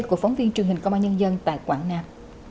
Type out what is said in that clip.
sau đây của phóng viên truyền hình công an nhân dân tại quảng nam